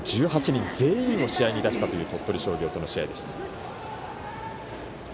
１８人全員を試合に出したという鳥取商業との試合でした。